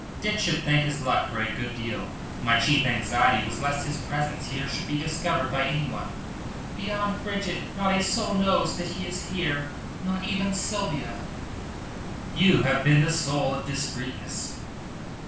Dick should thank his luck for a good deal. My chief anxiety was lest his presence here should be discovered by any one." "Beyond Bridget not a soul knows that he is here not even Sylvia." "You have been the soul of discreetness."